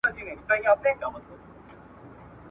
ور په برخه زغري توري او ولجې وې !.